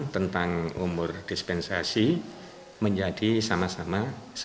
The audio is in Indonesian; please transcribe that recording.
tentang umur dispensasi menjadi sama sama sembilan belas